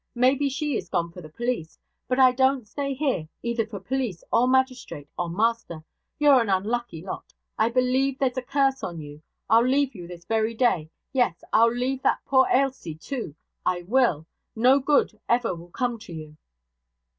Maybe, she is gone for the police? But I don't stay here, either for police, or magistrate, or master. You're an unlucky lot. I believe there's a curse on you. I'll leave you this very day. Yes! I'll leave that poor Ailsie, too. I will! No good ever will come to you!'